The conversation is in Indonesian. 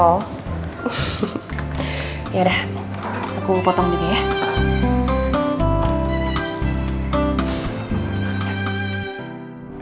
ya udah aku potong dulu ya